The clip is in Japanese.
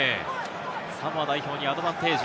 サモア代表にアドバンテージ。